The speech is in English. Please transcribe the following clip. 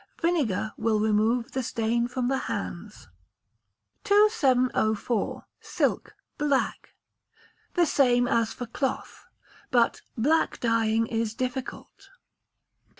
Vinegar will remove the stain from the hands. 2704. Silk (Black). The same as for cloth, but black dyeing is difficult.